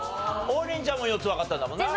王林ちゃんも４つわかったんだもんな？